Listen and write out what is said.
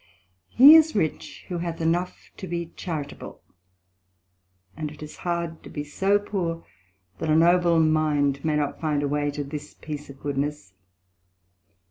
He is rich, who hath enough to be charitable; and it is hard to be so poor, that a noble mind may not find a way to this piece of goodness.